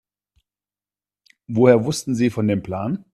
Woher wussten Sie von dem Plan?